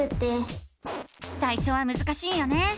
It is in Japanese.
さいしょはむずかしいよね！